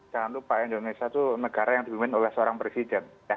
jangan lupa indonesia itu negara yang dipimpin oleh seorang presiden